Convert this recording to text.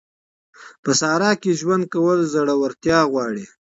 په صحرا کي ژوند کول زړورتيا غواړي.